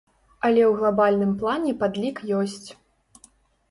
Але ў глабальным плане падлік ёсць.